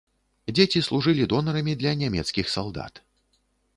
Дзеці служылі донарамі для нямецкіх салдат.